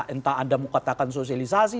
entah anda mau katakan sosialisasi